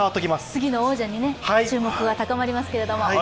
次の王者に注目が高まりますけど。